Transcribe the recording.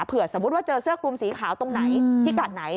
เผื่อสมมุติว่าเจอเสื้อคลุมสีขาวตรงไหนที่กัดไหน